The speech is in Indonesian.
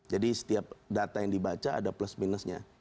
jadi setiap data yang dibaca ada plus minusnya